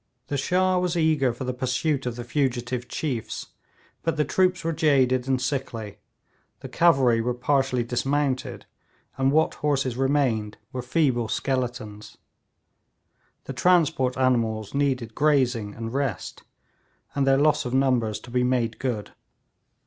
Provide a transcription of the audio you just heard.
The Shah was eager for the pursuit of the fugitive chiefs; but the troops were jaded and sickly, the cavalry were partially dismounted, and what horses remained were feeble skeletons. The transport animals needed grazing and rest, and their loss of numbers to be made good.